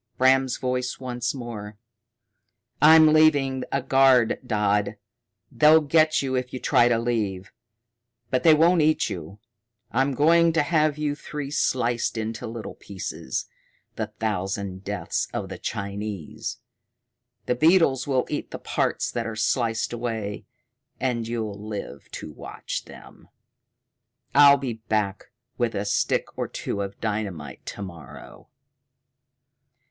Bram's voice once more: "I'm leaving a guard, Dodd. They'll get you if you try to leave. But they won't eat you. I'm going to have you three sliced into little pieces, the Thousand Deaths of the Chinese. The beetles will eat the parts that are sliced away and you'll live to watch them. I'll be back with a stick or two of dynamite to morrow."